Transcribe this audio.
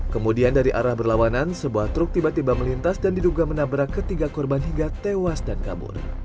kemudian dari arah berlawanan sebuah truk tiba tiba melintas dan diduga menabrak ketiga korban hingga tewas dan kabur